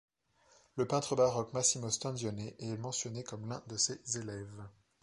Le peintre baroque Massimo Stanzione est mentionné comme l'un de ses élèves.